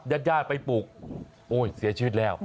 ญาติญาติไปปลูกโอ้ยเสียชีวิตแล้ว